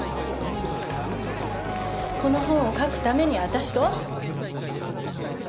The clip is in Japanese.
この本を書くために私と？